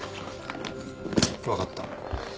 分かった。